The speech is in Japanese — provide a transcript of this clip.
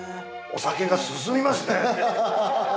◆お酒が進みますね。